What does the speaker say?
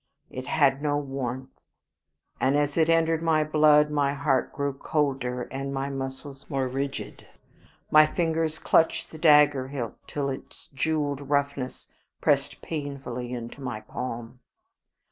It had no warmth, and as it entered my blood my heart grew colder, and my muscles more rigid. My fingers clutched the dagger hilt till its jeweled roughness pressed painfully into my palm.